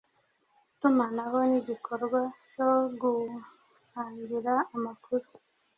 itumanaho nigikorwa cyo guangira amakuru